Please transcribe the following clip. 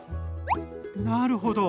なるほど。